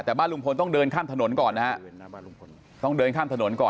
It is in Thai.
แต่บ้านลุงพลต้องเดินข้ามถนนก่อนนะฮะต้องเดินข้ามถนนก่อน